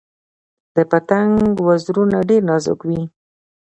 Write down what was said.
د پتنګ وزرونه ډیر نازک وي